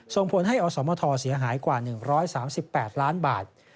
ส่งผลให้อสมทเสียหายกว่า๑๓๘ล้านบาท